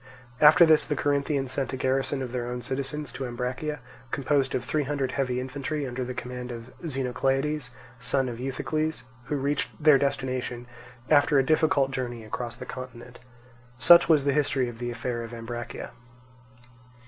After this the Corinthians sent a garrison of their own citizens to Ambracia, composed of three hundred heavy infantry, under the command of Xenocleides, son of Euthycles, who reached their destination after a difficult journey across the continent. Such was the history of the affair of Ambracia.